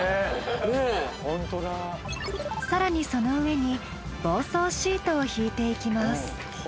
更にその上に防草シートを敷いていきます。